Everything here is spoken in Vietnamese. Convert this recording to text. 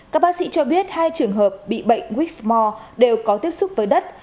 các bác sĩ cho biết hai trường hợp bị bệnh quýt mò đều có tiếp xúc với đất